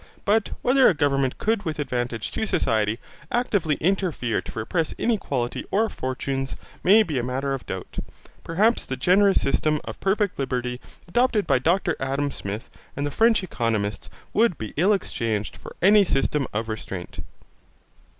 But whether a government could with advantage to society actively interfere to repress inequality of fortunes may be a matter of doubt. Perhaps the generous system of perfect liberty adopted by Dr Adam Smith and the French economists would be ill exchanged for any system of restraint.